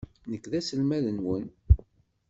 Nekk d aselmad-nwen.